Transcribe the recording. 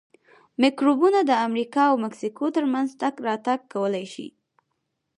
میکروبونه د امریکا او مکسیکو ترمنځ تګ راتګ کولای شي.